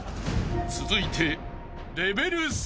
［続いて］